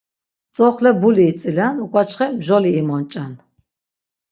Tzoxle nbuli itzilen uk̆vaçxe mjoli imonç̆en.